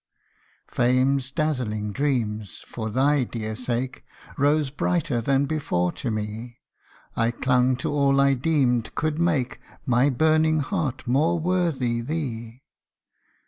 Fame's dazzling dreams, for thy dear sake, Rose brighter than before to me ; I clung to all I deemed could make My burning heart more worthy thee.